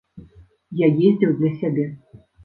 Я ездзіў для сябе.